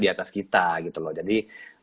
diatas kita gitu loh jadi